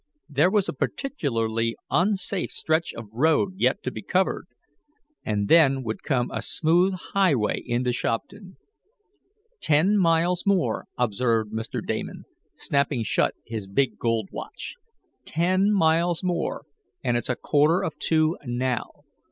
There was a particularly unsafe stretch of road yet to be covered, and then would come a smooth highway into Shopton. "Ten miles more," observed Mr. Damon, snapping shut his big gold watch. "Ten miles more, and it's a quarter of two now.